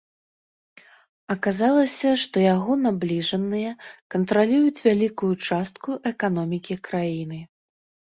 Аказалася, што яго набліжаныя кантралююць вялікую частку эканомікі краіны.